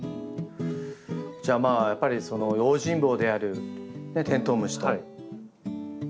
じゃあまあやっぱりその用心棒であるテントウムシとヒメハナカメムシ。